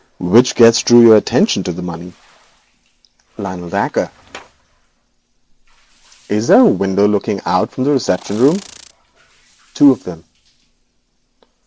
'Which guest drew your attention to the money?' 'Lionel Dacre.' 'Is there a window looking out from the reception room?' 'Two of them.'